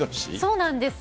そうなんです。